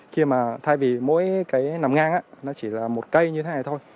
khi mà thay vì mỗi cái nằm ngang nó chỉ là một cây như thế này thôi